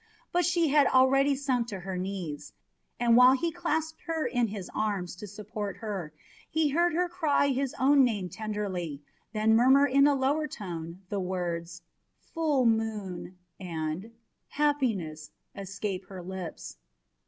But she had already sunk to her knees, and while he clasped her in is arms to support her, he heard her call his own name tenderly, then murmur it in a lower tone, and the words "Full moon" and "Happiness" escape her lips.